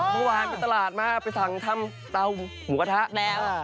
เมื่อวานไปตลาดมาไปสั่งทำเตาหมูกระทะแล้ว